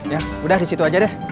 ya udah di situ aja deh